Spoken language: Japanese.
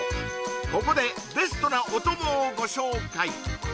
ここでベストなお供をご紹介